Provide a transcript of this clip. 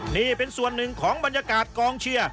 นี่เป็นส่วนหนึ่งของบรรยากาศกองเชียร์